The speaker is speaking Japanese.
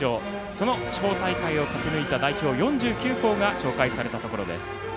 その地方大会を勝ち抜いた代表４９校が紹介されたところです。